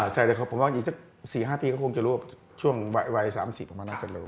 ใช่ผมว่าอีกสัก๔๕ปีก็คงจะรู้ช่วงวัยวัย๓๐ผมว่าน่าจะรู้